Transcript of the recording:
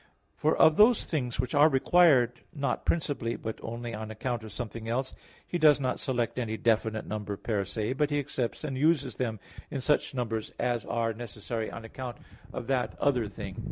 For of those things which are required not principally, but only on account of something else, he does not select any definite number per se; but he accepts and uses them in such numbers as are necessary on account of that other thing.